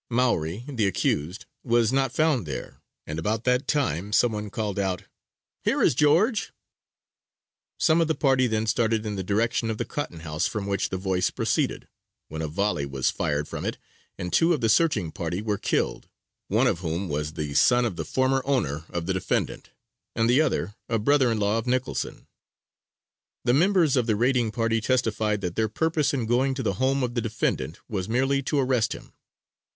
Maury, the accused, was not found there, and about that time some one called out, "Here is George." Some of the party then started in the direction of the cotton house from which the voice proceeded, when a volley was fired from it, and two of the searching party were killed, one of whom was the son of the former owner of the defendant, and the other a brother in law of Nicholson. The members of the raiding party testified that their purpose in going to the home of the defendant was merely to arrest him.